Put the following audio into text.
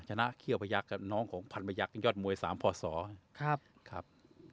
ชนะเคี่ยวพระยักษ์ก็น้องของพันธุ์พระยักษ์ยอดมวย๓พ๒ครับ